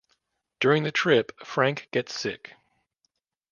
During the trip, Frank gets sick.